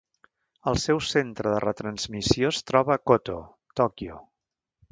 El seu centre de retransmissió es troba a Koto, Tòquio.